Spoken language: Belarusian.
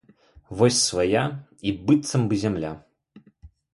Вось свая і быццам бы зямля.